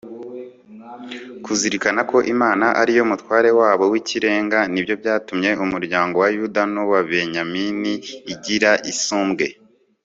kuzirikana ko imana ari yo mutware wabo w'ikirenga ni byo byatumye umuryango wa yuda n'uwa benyamini igira isumbwe